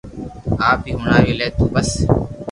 آپ ھي ھڻاو لي تو بس